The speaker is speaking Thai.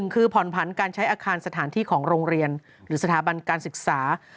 คือผ่อนผันการใช้อาคารสถานที่ของโรงเรียนหรือสถาบันการศึกษา